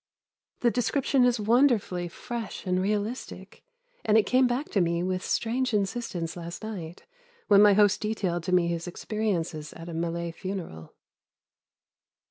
The description is wonderfully fresh and realistic, and it came back to me with strange insistence last night when my host detailed to me his experiences at a Malay funeral.